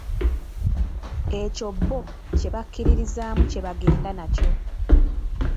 Ekyo bbo kye bakkiririzaamu, kye bagenda nakyo.